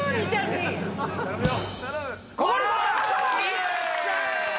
よっしゃ！